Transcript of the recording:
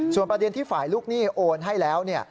ส่วนประเด็นที่ฝ่ายลูกหนี้โอนให้แล้ว